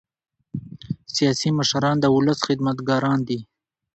سیاسي مشران د ولس خدمتګاران دي